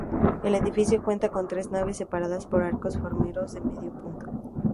El edificio cuenta con tres naves separadas por arcos formeros de medio punto.